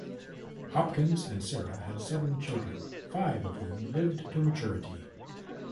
Hopkins and Sarah had seven children, five of whom lived to maturity.